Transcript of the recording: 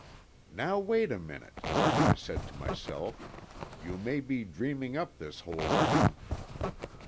"Now, wait a minute," I said to myself. "You may be dreaming up this whole thing."